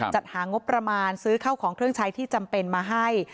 จัดหางบประมาณซื้อเข้าของเครื่องใช้ที่จำเป็นมาให้